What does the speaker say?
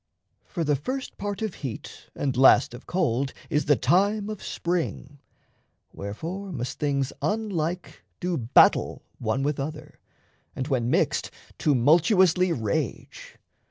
For the first part of heat and last of cold Is the time of spring; wherefore must things unlike Do battle one with other, and, when mixed, Tumultuously rage.